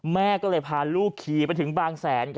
แม่ก็เลยพาลูกขี่ไปถึงบางแสน